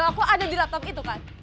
aku ada di laptop itu kan